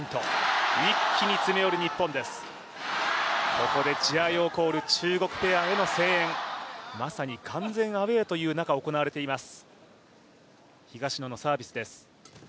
ここでジャーヨーコール中国チームへの声援、まさに完全アウェーという中行われています。